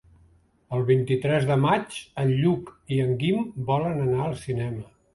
El vint-i-tres de maig en Lluc i en Guim volen anar al cinema.